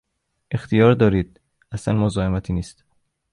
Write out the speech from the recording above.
اختیار دارید، اصلا مزاحمتی نیست!